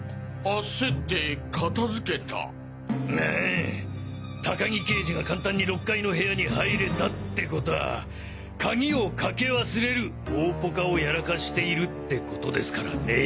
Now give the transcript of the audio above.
ええ高木刑事が簡単に６階の部屋に入れたって事は鍵をかけ忘れる大ポカをやらかしているってことですからねぇ。